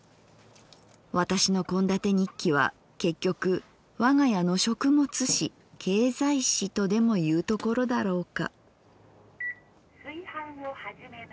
私の献立日記は結局わが家の食物史経済史とでもいうところだろうか」。